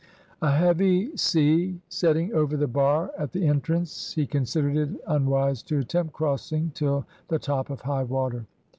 A heavy sea setting over the bar at the entrance he considered it unwise to attempt crossing till the top of high water.